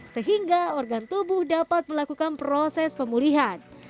sehingga organ tubuh dapat melakukan proses pemulihan